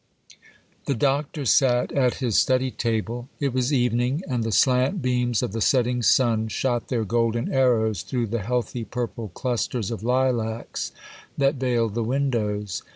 THE Doctor sat at his study table. It was evening, and the slant beams of the setting sun shot their golden arrows through the healthy purple clusters of lilacs that veiled the windows.